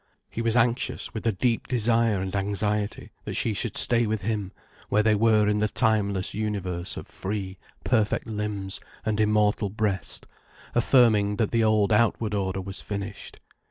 He was anxious with a deep desire and anxiety that she should stay with him where they were in the timeless universe of free, perfect limbs and immortal breast, affirming that the old outward order was finished.